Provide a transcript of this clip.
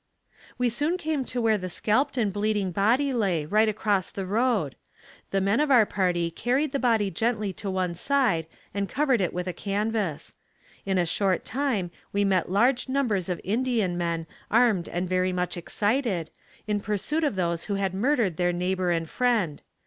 We soon came to where the scalped and bleeding body lay, right across the road. The men of our party carried the body gently to one side and covered it with a canvas. In a short time we met large numbers of Indian men armed and very much excited, in pursuit of those who had murdered their neighbor and friend.